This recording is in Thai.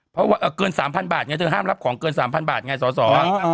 เพราะว่าเกิน๓๐๐บาทไงเธอห้ามรับของเกิน๓๐๐บาทไงสอสอ